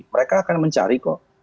mereka akan mencari kok